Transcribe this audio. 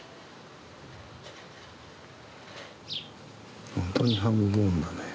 本当にハムボーンだね。